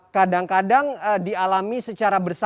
kadang kadang dialami secara bersama